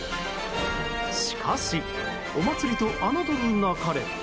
しかし、お祭りと侮るなかれ。